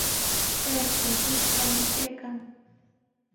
Pay kushishqami kaykan.